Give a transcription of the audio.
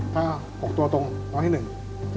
ถ้า๖ตัวตรงน้องให้๑ขึ้นไป๓ปี